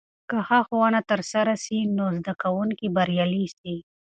که ښه ښوونه ترسره سي، نو به زده کونکي بريالي سي.